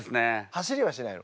走りはしないの？